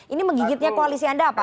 ini menggigitnya koalisi anda apa